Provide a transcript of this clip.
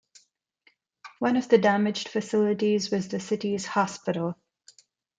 One of the damaged facilities was the city's hospital.